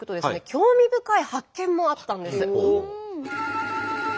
興味深い発見もあったんです。